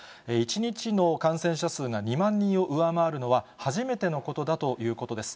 １日の感染者数が２万人を上回るのは初めてのことだということです。